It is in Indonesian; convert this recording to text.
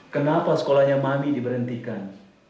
kenapa sekolahnya mami diberhentikan